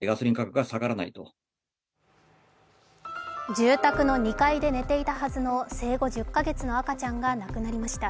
住宅の２階で寝ていたはずの生後１０か月の赤ちゃんが亡くなりました。